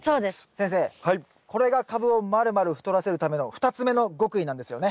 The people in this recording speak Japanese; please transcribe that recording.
先生これがカブをまるまる太らせるための２つ目の極意なんですよね。